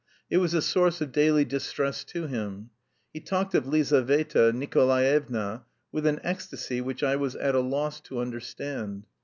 It was a source of daily distress to him. He talked of Lizaveta Nikolaevna with an ecstasy which I was at a loss to understand.